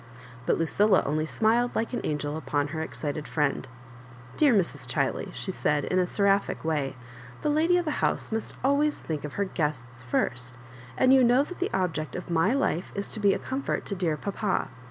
. But Lucilla only smiled like an angel upon her excited friend. " Dear Mrs. Chiley," she said, in I a seraphic way, '*the lady of the house must always think of her guests first ; and you know Digitized by LjOOQIC MISa UABJOBIBANKa 61 that the object of mylife is to be a comfort to dear papa."